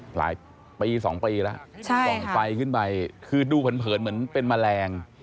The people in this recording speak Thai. หลายปี๒ปีแล้วส่องไฟขึ้นไปคือดูเผินเหมือนเป็นแมลง